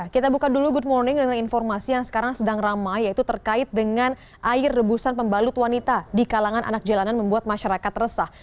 kita buka dulu good morning dengan informasi yang sekarang sedang ramai yaitu terkait dengan air rebusan pembalut wanita di kalangan anak jalanan membuat masyarakat resah